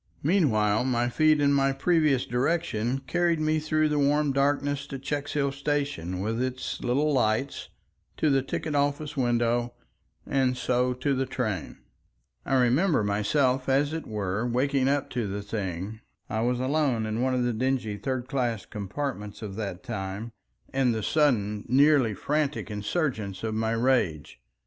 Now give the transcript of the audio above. Meanwhile my feet and my previous direction carried me through the warm darkness to Checkshill station with its little lights, to the ticket office window, and so to the train. I remember myself as it were waking up to the thing—I was alone in one of the dingy "third class" compartments of that time—and the sudden nearly frantic insurgence of my rage.